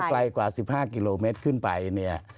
ถ้าใกล้กว่า๑๕กิโลเมตรขึ้นไป